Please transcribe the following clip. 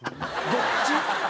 どっち？